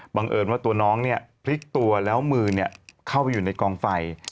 เอิญว่าตัวน้องเนี่ยพลิกตัวแล้วมือเข้าไปอยู่ในกองไฟ